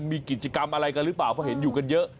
มีกิจกรรมอะไรกันหรือเปล่าเพราะเห็นอยู่กันเยอะ